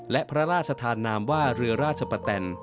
และพระราชธานามว่าเรือราชปะแตน